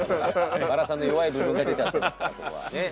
バラさんの弱い部分が出ちゃってますからここはね。